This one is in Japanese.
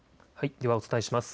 ではお伝えします。